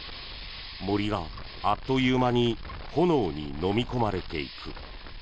森があっという間に炎にのみ込まれていく。